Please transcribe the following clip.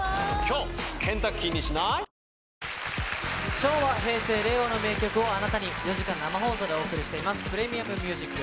昭和・平成・令和の名曲をあなたに、４時間生放送でお送りしています、ＰｒｅｍｉｕｍＭｕｓｉｃ。